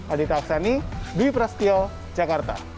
adik tafsani di prasetyo jakarta